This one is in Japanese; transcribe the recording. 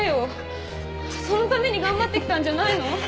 そのために頑張ってきたんじゃないの？